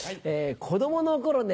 子供の頃ね